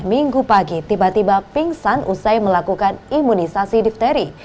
minggu pagi tiba tiba pingsan usai melakukan imunisasi difteri